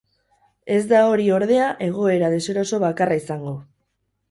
Ez da hori, ordea, egoera deseroso bakarra izango.